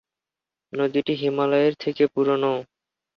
নদীটি হিমালয়ের থেকে পুরানো।